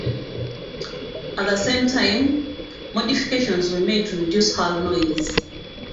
At the same time modifications were made to reduce hull noise.